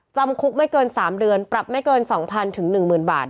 จำคุกไม่เกิน๓เดือนปรับไม่เกิน๒๐๐๑๐๐บาท